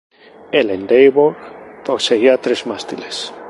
El Endeavour poseía tres mástiles.